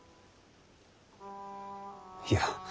いや。